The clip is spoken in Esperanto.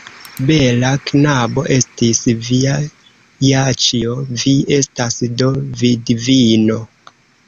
Bela knabo estis via Jaĉjo; vi estas do vidvino!